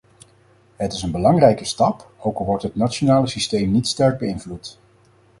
Het is een belangrijke stap, ook al wordt het nationale systeem niet sterk beïnvloed.